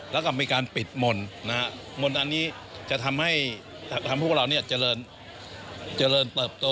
และมีการปิดมนต์อันนี้จะทำให้ทำพวกเราเจริญเจริญเติบโต